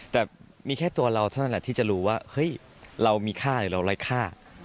แต่มีแค่ตัวเราเท่านั้นแหละที่จะรู้ว่าเฮ้ยเรามีค่าหรือเราไร้ค่า